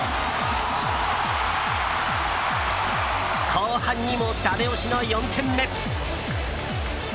後半にもダメ押しの４点目。